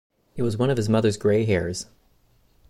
It was one of his mother’s grey hairs.